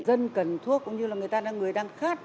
dân cần thuốc cũng như là người ta đang khát